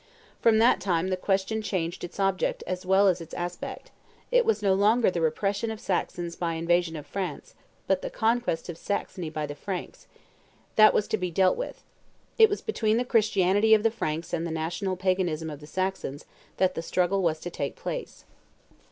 From that time the question changed its object as well as its aspect; it was no longer the repression of Saxon invasions of France, but the conquest of Saxony by the Franks, that was to be dealt with; it was between the Christianity of the Franks and the national Paganism of the Saxons that the struggle was to take place.